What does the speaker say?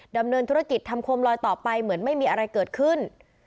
ดำเนินธุรกิจทำโคมลอยต่อไปเหมือนไม่มีอะไรเกิดขึ้น